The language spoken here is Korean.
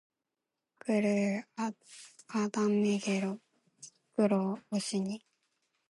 그를 아담에게로 이끌어 오시니